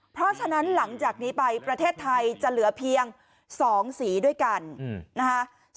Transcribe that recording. เพราะฉะนั้นหลังจากนี้ไปประเทศไทยจะเหลือเพียง๒สีด้วยกันนะคะ